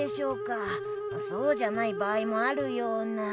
そうじゃない場合もあるような。